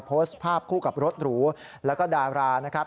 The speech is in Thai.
โพสต์ภาพคู่กับรถหรูแล้วก็ดารานะครับ